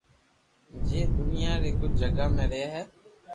جي دنيا ري ڪجھ جگہ مي رھي ھي